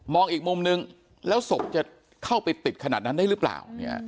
อีกมุมนึงแล้วศพจะเข้าไปติดขนาดนั้นได้หรือเปล่า